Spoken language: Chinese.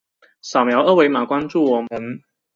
扫描二维码关注我们。